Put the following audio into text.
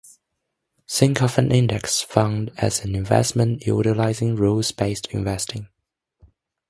Think of an index fund as an investment utilizing rules-based investing.